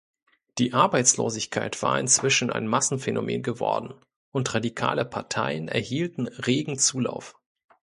Die Arbeitslosigkeit war inzwischen ein Massenphänomen geworden und radikale Parteien erhielten regen Zulauf.